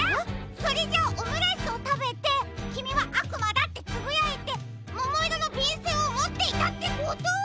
それじゃあオムライスをたべて「きみはあくまだ！」ってつぶやいてももいろのびんせんをもっていたってことは。